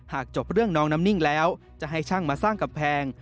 จบเรื่องน้องน้ำนิ่งแล้วจะให้ช่างมาสร้างกำแพง